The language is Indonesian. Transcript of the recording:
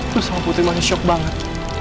gua sama putri masih shock banget